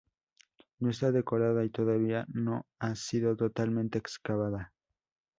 No está decorada y todavía no ha sido totalmente excavada.